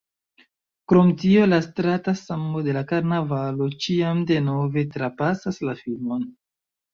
Krom tio la strata sambo de karnavalo ĉiam denove trapasas la filmon.